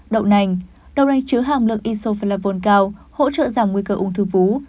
đậu nành đậu nành chứa hạm lượng isoflavone cao hỗ trợ giảm nguy cơ ung thư vú